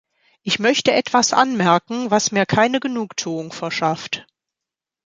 Ich möchte etwas anmerken, was mir keine Genugtuung verschafft.